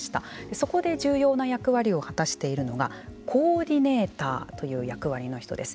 そこで重要な役割を果たしているのがコーディネーターという役割の人です。